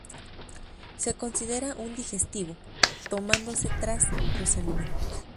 Se considera un digestivo, tomándose tras los alimentos.